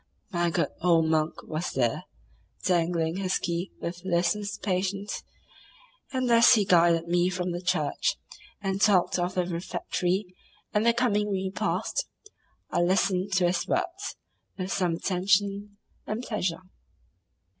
My good old monk was there, dangling his key with listless patience, and as he guided me from the church, and talked of the refectory and the coming repast, I listened to his words with some attention and pleasure.